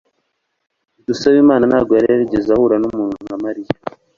Dusabemana ntabwo yari yarigeze ahura numuntu nka Mariya.